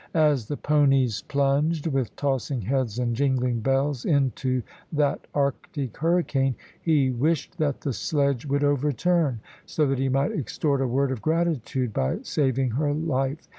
As the ponies plunged, with tossing heads and jingling bells, into that Arctic hurricane, he wished that the sledge would overturn, so that he might extort a word of gratitude by saving her life.